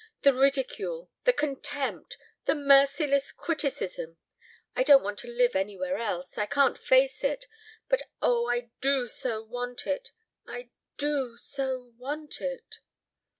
The ridicule! The contempt! The merciless criticism! I don't want to live anywhere else. I can't face it! But, oh, I do so want it! I do so want it!"